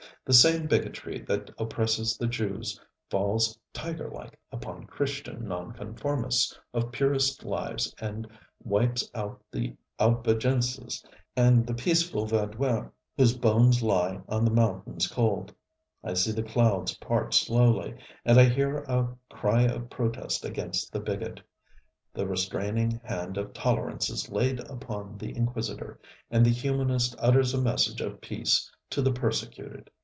The same bigotry that oppresses the Jews falls tiger like upon Christian nonconformists of purest lives and wipes out the Albigenses and the peaceful Vaudois, ŌĆ£whose bones lie on the mountains cold. ŌĆØ I see the clouds part slowly, and I hear a cry of protest against the bigot. The restraining hand of tolerance is laid upon the inquisitor, and the humanist utters a message of peace to the persecuted.